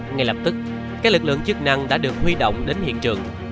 ngay lập tức các lực lượng chức năng đã được huy động đến hiện trường